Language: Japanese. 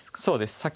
そうです